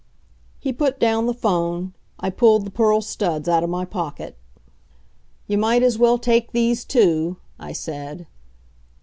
He put down the 'phone. I pulled the pearl studs out of my pocket. "You might as well take these, too," I said.